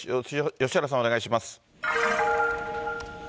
吉原さん、お願いします。